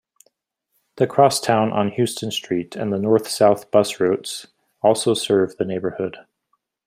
The crosstown on Houston Street and the north-south bus routes also serve the neighborhood.